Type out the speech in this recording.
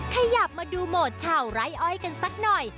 ขยับมาดูโหมดชาวไร้อ้อยกันสักหน่อย